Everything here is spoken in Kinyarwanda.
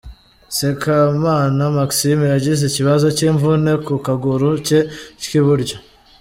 Sekamana Maxime yagize ikibazo cy'imvune ku kaguru ke k'iburyo.